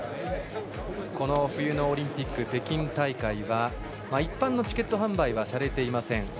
冬のオリンピック北京大会は一般のチケット販売はされていません。